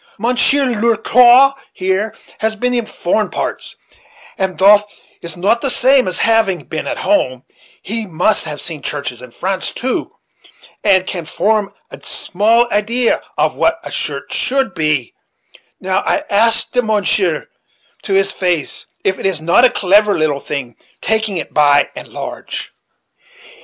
Mounsheer Ler Quaw, here, has been in foreign parts; and thof that is not the same as having been at home, yet he must have seen churches in France too, and can form a small idee of what a church should be; now I ask the mounsheer to his face if it is not a clever little thing, taking it by and large."